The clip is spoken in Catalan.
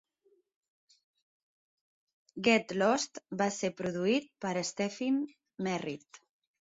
"Get Lost" va ser produït per Stephin Merritt.